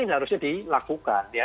yang harusnya dilakukan